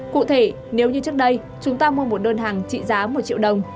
cụ thể nếu như trước đây chúng ta mua một đơn hàng trị giá một triệu đồng